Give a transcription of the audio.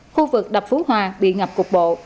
khu vực đập phú hòa bị ngập cục bộ